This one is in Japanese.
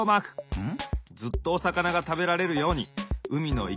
うん。